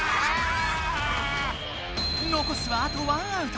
のこすはあと１アウト。